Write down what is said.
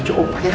jadi opah sayang